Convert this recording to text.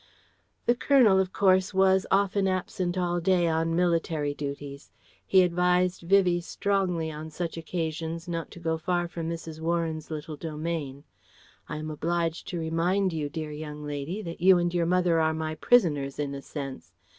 The Colonel of course was often absent all day on military duties. He advised Vivie strongly on such occasions not to go far from Mrs. Warren's little domain. "I am obliged to remind you, dear young lady, that you and your mother are my prisoners in a sense.